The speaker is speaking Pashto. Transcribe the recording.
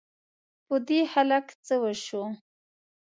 په دې هلک څه وشوو؟!